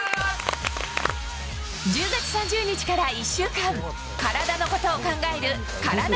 １０月３０日から１週間体のことを考えるカラダ